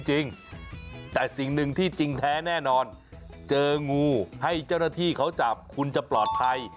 ให้เจ้าหน้าที่เขาจับคุณจะปลอดภัย